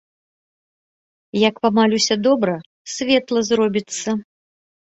Як памалюся добра, светла зробіцца.